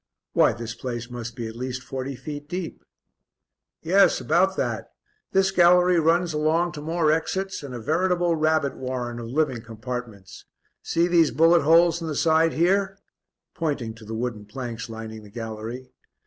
"Why this place must be at least forty feet deep." "Yes, about that. This gallery runs along to more exits and a veritable rabbit warren of living compartments. See these bullet holes in the side here," pointing to the wooden planks lining the gallery.